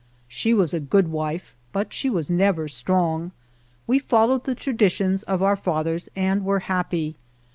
She was a good wife, but she was never strong. We followed the traditions of our fathers and were happy.